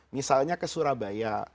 misalnya ke surabaya